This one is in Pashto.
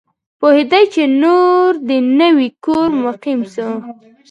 پوهېدی چي نور د نوي کور مقیم سو